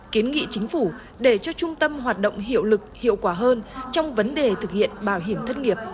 kiến nghị chính phủ để cho trung tâm hoạt động hiệu lực hiệu quả hơn trong vấn đề thực hiện bảo hiểm thất nghiệp